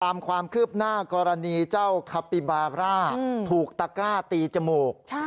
ตามความคืบหน้ากรณีเจ้าคาปิบาร่าถูกตะกร้าตีจมูก